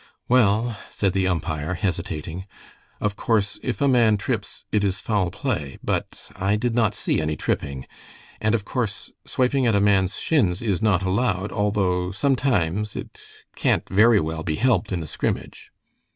"Well," said the umpire, hesitating, "of course if a man trips it is foul play, but I did not see any tripping. And of course swiping at a man's shins is not allowed, although sometimes it can't very well be helped in a scrimmage."